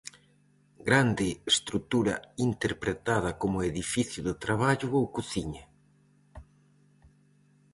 Grande estrutura interpretada como edificio de traballo ou cociña.